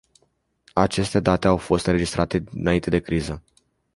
Aceste date au fost înregistrate înainte de criză.